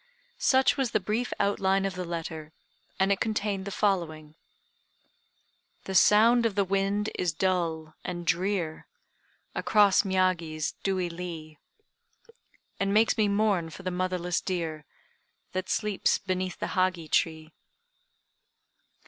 Such was the brief outline of the letter, and it contained the following: "The sound of the wind is dull and drear Across Miyagi's dewy lea, And makes me mourn for the motherless deer That sleeps beneath the Hagi tree."